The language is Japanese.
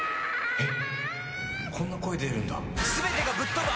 えっ？